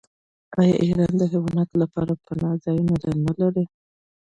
آیا ایران د حیواناتو لپاره پناه ځایونه نلري؟